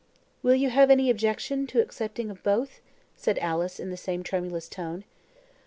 "Will you have any objection to accepting of both?" said Alice, in the same tremulous tone.